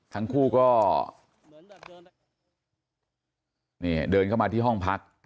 ทั้งคู่ก็เดินเข้ามาที่ห้องพัก